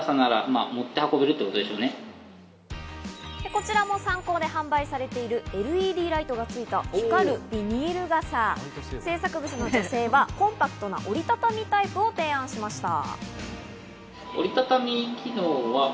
こちらもサンコーで販売されているＬＥＤライトがついた光るビニール傘、制作部の女性はコンパクトな折り畳みタイプを提案しました。